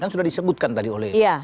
sudah disebutkan tadi oleh